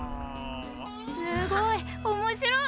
すごい！おもしろい！